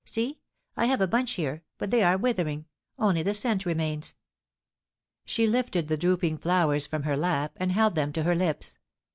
See, I have a bunch here, but they are withering — only the scent remains.* She lifted the drooping flowers from her lap and held them to her lips.